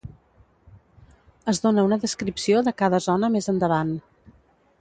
Es dona una descripció de cada zona més endavant.